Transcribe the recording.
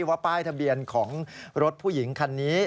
ว่าป้ายทะเบียนของรถผู้หญิงคันนี้